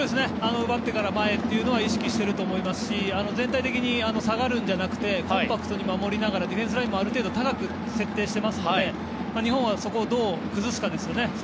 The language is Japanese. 奪ってから前というのは意識していると思いますし全体的に下がるんじゃなくてコンパクトに守りながらディフェンスラインもある程度高く設定していますので日本はそこをどう崩すかですよね。